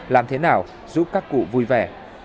làm thế nào giúp các cụ vui vẻ